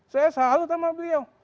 saya selalu sama beliau